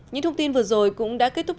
những thông tin vừa rồi cũng đã kết thúc